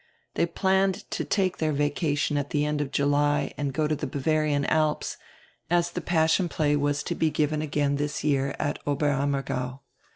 They planned to take dieir vacation at the end of July and go to die Bavarian Alps, as die Passion Play was to be given again this year at Oberammergau.